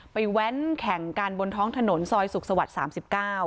แว้นแข่งกันบนท้องถนนซอยสุขสวรรค์๓๙